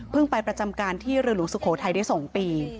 ไปประจำการที่เรือหลวงสุโขทัยได้๒ปี